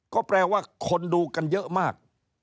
ก็แปลว่าคนดูกันเยอะมาก